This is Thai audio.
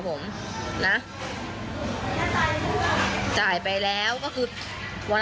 ก็งงเหมือนกัน